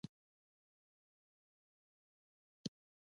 ایا مصنوعي ځیرکتیا د ناسمو روایتونو خپرېدل نه اسانه کوي؟